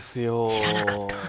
知らなかった。